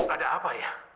ada apa ya